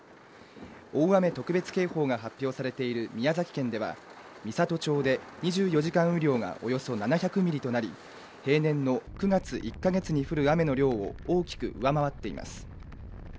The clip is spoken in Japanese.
大雨特別警報が発表されている宮崎県では美郷町で２４時間雨量がおよそ７００ミリとなり平年の９月、１カ月に降る雨の量を大きく上回っています。